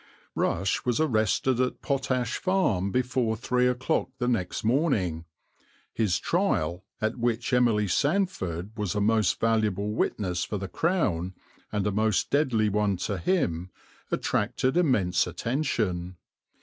Rush was arrested at Potash Farm before three o'clock the next morning; his trial, at which Emily Sandford was a most valuable witness for the Crown and a most deadly one to him, attracted immense attention.